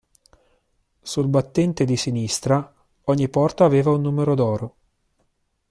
Sul battente di sinistra, ogni porta aveva un numero d'oro.